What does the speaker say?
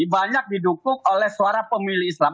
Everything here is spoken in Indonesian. banyak didukung oleh suara pemilih islam